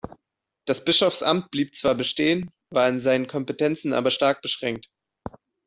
Das Bischofsamt blieb zwar bestehen, war in seinen Kompetenzen aber stark beschränkt.